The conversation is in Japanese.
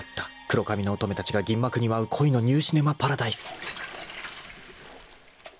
［黒髪の乙女たちが銀幕に舞う恋のニューシネマパラダイス］